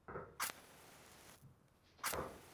এটার সাথে অন্য কোন খুনের সম্পর্ক থাকতে পারে।